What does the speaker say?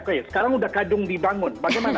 sekarang sudah kadung dibangun bagaimana